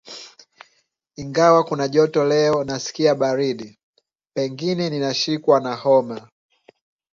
Ingawa kuna joto leo nasikia baridi. Pengine ninashikwa na homa.